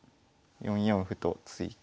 ４四歩と突いて。